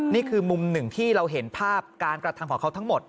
นี่คือมุมหนึ่งที่เราเห็นภาพการกระทำของเขาทั้งหมด